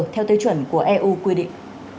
theo tế chuẩn của eu quy định